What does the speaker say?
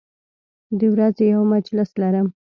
د ورځې یو مجلس لرم